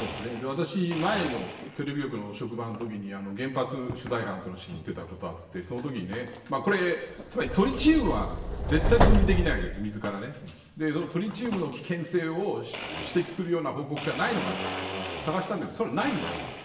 私、前のテレビ局の職場のときに原発取材班というのを仕切っていたときがあってこれつまりトリチウムは絶対に分離できないわけですからトリチウムの危険性を指摘するような報告書はないのかと探したんだけどそれはないんです。